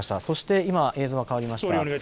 そして今、映像が変わりました。